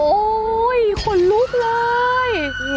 โอ้ยขนลุกเลย